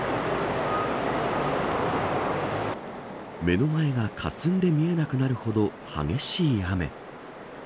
目の前がかすんで見えなくなるほど激しい雨。